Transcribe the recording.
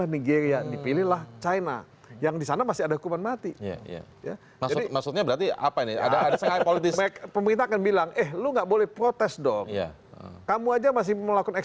menghukum mati narkotika saya berjanjian